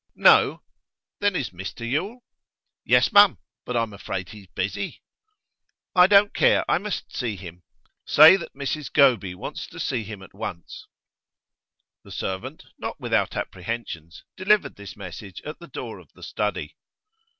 'No? Then is Mr Yule?' 'Yes, mum, but I'm afraid he's busy.' 'I don't care, I must see him. Say that Mrs Goby wants to see him at once.' The servant, not without apprehensions, delivered this message at the door of the study.